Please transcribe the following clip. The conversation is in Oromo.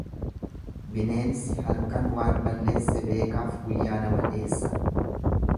Bineensi halkan waan balleesse beekaaf guyyaa nama dheessa.